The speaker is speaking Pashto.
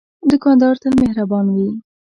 دوکاندار تل مهربان وي.